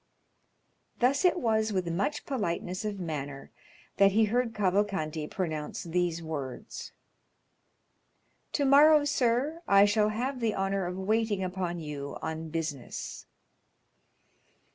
Thus it was with much politeness of manner that he heard Cavalcanti pronounce these words: "Tomorrow, sir, I shall have the honor of waiting upon you on business."